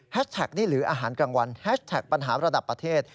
แท็กนี่หรืออาหารกลางวันแฮชแท็กปัญหาระดับประเทศ